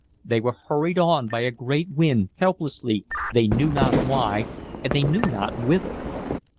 They were hurried on by a great wind, helplessly, they knew not why and they knew not whither.